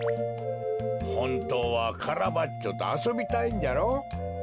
ほんとうはカラバッチョとあそびたいんじゃろ？